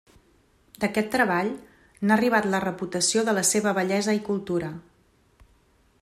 D'aquest treball n'ha arribat la reputació de la seva bellesa i cultura.